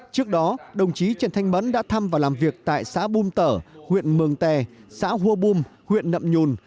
trước đó đồng chí trần thanh mẫn đã thăm và làm việc tại xã bùm tở huyện mường tè xã hua bum huyện nậm nhùn